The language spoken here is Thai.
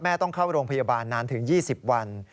ต้องเข้าโรงพยาบาลนานถึง๒๐วัน